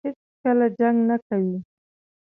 هېڅکله جنګ نه کوي.